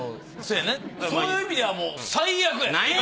せやなそういう意味ではもう最悪やな。